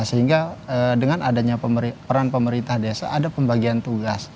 nah sehingga dengan adanya peran pemerintah desa ada pembagiannya